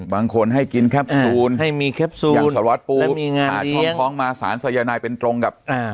บางคนให้กินแคปซูนอย่างสล็อตปูหาช้องคล้องมาสารสยนายเป็นตรงกับ